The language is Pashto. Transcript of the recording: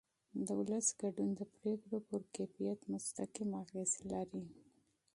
د ولس ګډون د پرېکړو پر کیفیت مستقیم اغېز لري